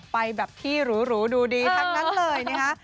ไปแบบที่หรูดูดีทั้งนั้นเลยนะคะ